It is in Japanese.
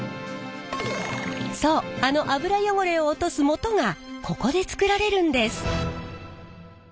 そうあの油汚れを落とすもとがここで作られるんです。